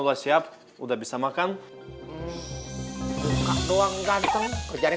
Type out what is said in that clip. saya taruh belakang sini n particles